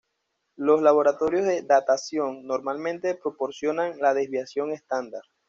Los laboratorios de datación normalmente proporcionan la desviación estándar.